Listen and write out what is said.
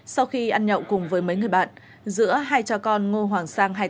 sau khi ăn nhậu cùng với mấy người bạn giữa hai cha con ngô hoàng sang